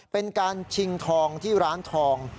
เป็นการชิงทองที่ร้านทอง